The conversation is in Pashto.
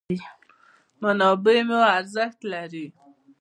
منابع مو ارزښت لري.